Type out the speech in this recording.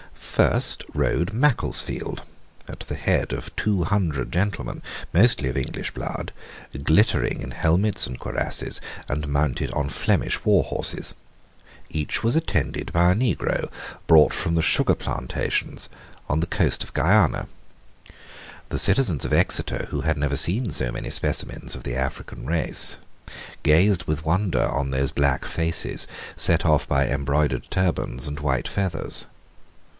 First rode Macclesfield at the head of two hundred gentlemen, mostly of English blood, glittering in helmets and cuirasses, and mounted on Flemish war horses. Each was attended by a negro, brought from the sugar plantations on the coast of Guiana. The citizens of Exeter, who had never seen so many specimens of the African race, gazed with wonder on those black faces set off by embroidered turbans and white feathers.